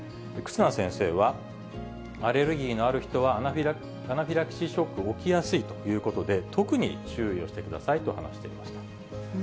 忽那先生は、アレルギーのある人は、アナフィラキシーショック、起きやすいということで、特に注意をしてくださいと話していました。